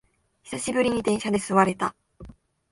久しぶりに電車で座れた